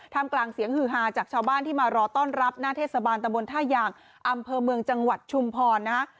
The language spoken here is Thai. กลางเสียงฮือฮาจากชาวบ้านที่มารอต้อนรับหน้าเทศบาลตะบนท่ายางอำเภอเมืองจังหวัดชุมพรนะฮะ